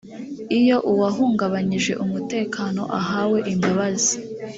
iyo uwahungabanyije umutekano ahawe imbabazi